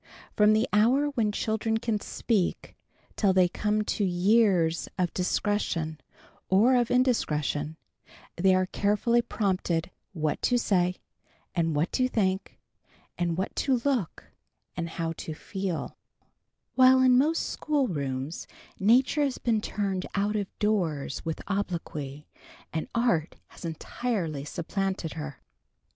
From the hour when children can speak, till they come to years of discretion or of indiscretion, they are carefully prompted what to say, and what to think, and what to look, and how to feel; while in most school rooms nature has been turned out of doors with obloquy, and art has entirely supplanted her.